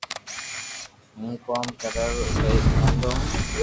ھون ڪوم ڪريا رو ايلائي مودو ھون